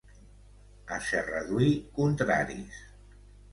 A Serradui, contraris.